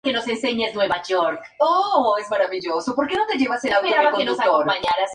En ambos períodos se distinguió como un gran orador político.